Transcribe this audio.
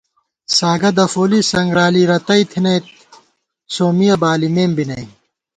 ساگہ دفولی سنگرالی رتئ تھنَئیت سومّیَہ بالِمېم بی نئ